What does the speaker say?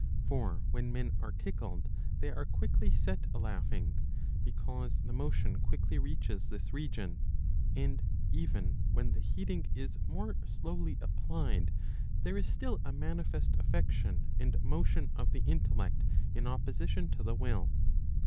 For when men are tickled they are quickly set a laughing, because the motion quickly reaches this region. And, even when the heating is more slowly applied, there is still a manifest affection and motion of the intellect in opposition to the will.